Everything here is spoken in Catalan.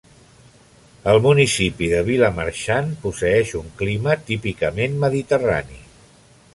El municipi de Vilamarxant posseïx un clima típicament mediterrani.